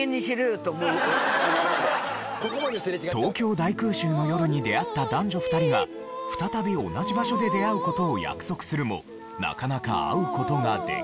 東京大空襲の夜に出会った男女２人が再び同じ場所で出会う事を約束するもなかなか会う事ができない。